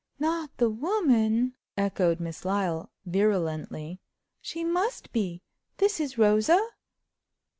"Not the woman?" echoed Miss Lyle, virulently. "She must be! This is Rosa!"